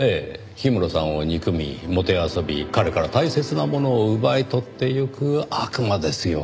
氷室さんを憎みもてあそび彼から大切なものを奪い取ってゆく悪魔ですよ。